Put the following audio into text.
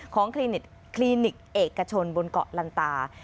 คลินิกเอกชนบนเกาะลันตา